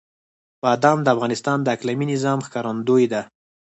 بادام د افغانستان د اقلیمي نظام ښکارندوی ده.